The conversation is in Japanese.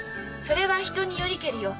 それは人によりけりよ。